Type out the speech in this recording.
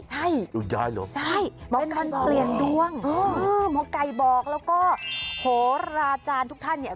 ใช่มองไก่บอกแล้วก็โหราจารย์ทุกท่านเนี่ย